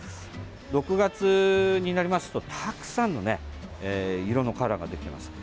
６月になりますとたくさんの色のカラーが出てます。